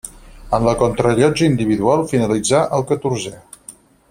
En la contrarellotge individual finalitzà el catorzè.